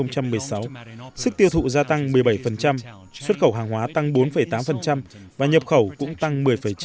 năm hai nghìn một mươi sáu sức tiêu thụ gia tăng một mươi bảy xuất khẩu hàng hóa tăng bốn tám và nhập khẩu cũng tăng một mươi chín